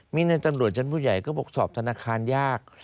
มีในตำรวจชั้นผู้ใหญ่ก็บอกสอบธนาคารยาก